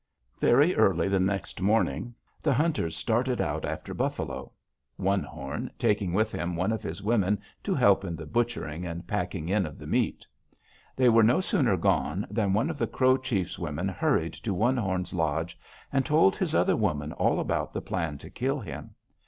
"Very early the next morning the hunters started out after buffalo, One Horn taking with him one of his women to help in the butchering and packing in of the meat. They were no sooner gone than one of the Crow chief's women hurried to One Horn's lodge and told his other woman all about the plan to kill him.